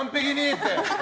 って？